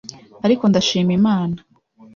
ariko ndashima Imana